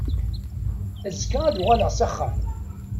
Azekka ad uɣaleɣ s axxam.